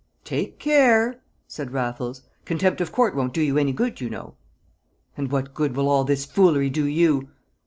"Take care!" said Raffles. "Contempt of court won't do you any good, you know!" "And what good will all this foolery do you?